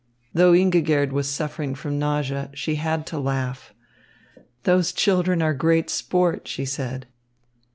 Though Ingigerd was suffering from nausea, she had to laugh. "Those children are great sport," she said.